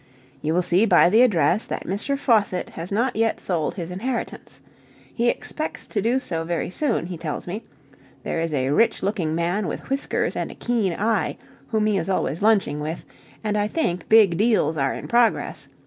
You will see by the address that Mr. Faucitt has not yet sold his inheritance. He expects to do so very soon, he tells me there is a rich looking man with whiskers and a keen eye whom he is always lunching with, and I think big deals are in progress.